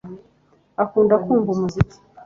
Akunda kumva umuziki